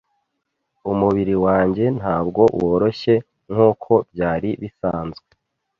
Umubiri wanjye ntabwo woroshye nkuko byari bisanzwe.